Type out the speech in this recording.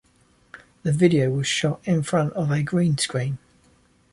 The video was shot in front of a green screen.